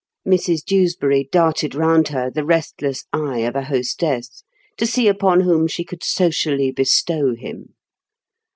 Mrs Dewsbury darted round her the restless eye of a hostess, to see upon whom she could socially bestow him.